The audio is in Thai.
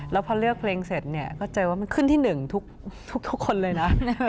แล้วพอเลือกเพลงเสร็จเนี่ยก็เจอว่ามันขึ้นที่๑ทุกคนเลยนะ